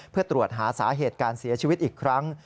เพื่อตรวจหาสาเหตุการเสียชีวิตอีกครั้ง